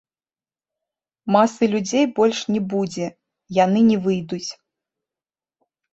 Масы людзей больш не будзе, яны не выйдуць.